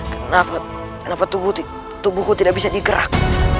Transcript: kenapa kenapa tubuhku tidak bisa digerak